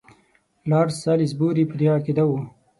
لارډ سالیزبوري په دې عقیده وو.